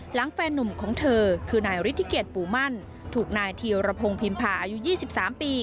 หลังแฟนนุ่มของเธอคือนายฤทธิเกียรติปู่มั่นถูกนายเทียวระพงพิมพาอายุยี่สิบสามปี